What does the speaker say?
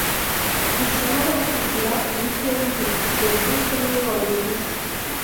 Ntushobora kugira ibi byombi cedric niwe wabivuze